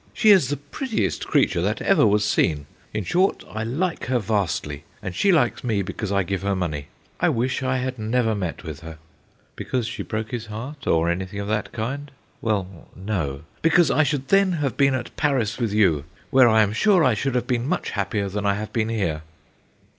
She is the prettiest creature that ever was seen : in short, I like her vastly, and she likes me because I give her money. I wish LOGIC 67 I had never met with her' because she broke his heart, or anything of that kind ? Well, no * because I should then have been at Paris with you, where I am sure I should have been much happier than I have been here.'